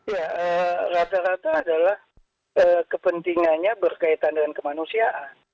ya rata rata adalah kepentingannya berkaitan dengan kemanusiaan